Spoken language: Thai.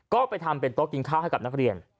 ก็ไปทำเป็นโต๊ะกินข้าวให้กับนักเรียน